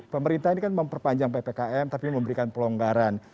pemerintah ini kan memperpanjang ppkm tapi memberikan pelonggaran